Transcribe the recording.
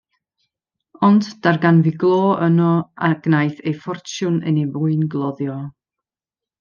Ond, darganfu glo yno, a gwnaeth ei ffortiwn yn ei fwyngloddio.